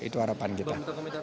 itu harapan kita